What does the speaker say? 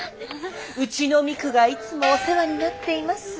うちの未来がいつもお世話になっています。